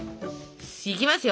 いきますよ。